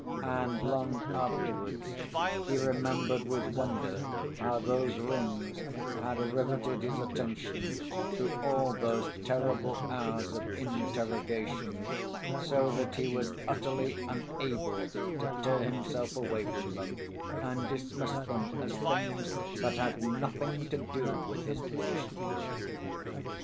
And long afterwards he remembered with wonder how those rings had riveted his attention through all those terrible hours of interrogation, so that he was utterly unable to tear himself away from them and dismiss them, as things that had nothing to do with his position.